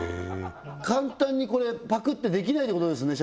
簡単にこれパクッてできないってことですね